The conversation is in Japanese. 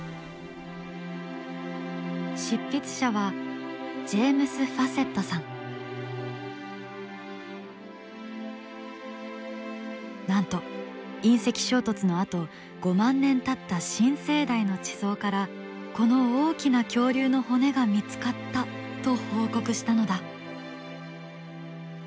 執筆者はなんと隕石衝突のあと５万年たった新生代の地層からこの大きな恐竜の骨が見つかったと報告したのだ。